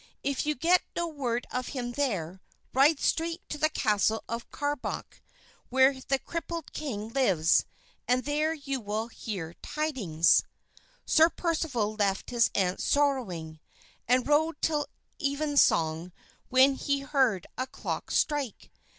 If you get no word of him there, ride straight to the castle of Carbonek where the crippled king lives and there you will hear tidings." Sir Percival left his aunt sorrowing, and rode till evensong when he heard a clock strike.